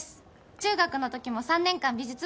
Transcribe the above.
中学のときも３年間美術部でした。